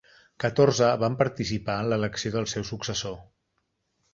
Catorze van participar en l'elecció del seu successor.